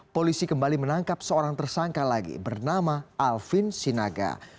polisi kembali menangkap seorang tersangka lagi bernama alvin sinaga